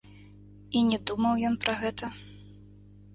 І не думаў ён пра гэта.